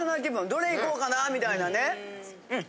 どれいこうかなみたいなね。